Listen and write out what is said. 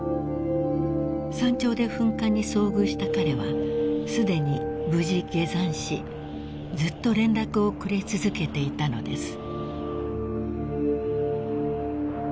［山頂で噴火に遭遇した彼はすでに無事下山しずっと連絡をくれ続けていたのです］